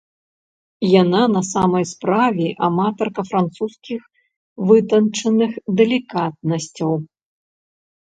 Яна на самай справе аматарка французскіх вытанчаных далікатнасцяў.